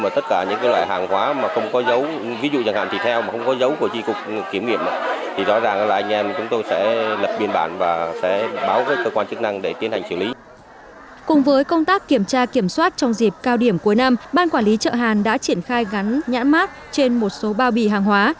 trong dịp cao điểm cuối năm ban quản lý chợ hàn đã triển khai gắn nhãn mát trên một số bao bì hàng hóa